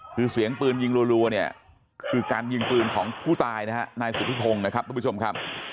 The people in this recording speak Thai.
คือเสียงปืนยิงรัวเนี่ยคือการยิงปืนของผู้ตายนะฮะนายสุธิพงศ์นะครับทุกผู้ชมครับ